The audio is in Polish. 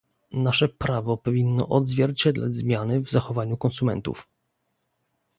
Nasze prawo powinno odzwierciedlać zmiany w zachowaniu konsumentów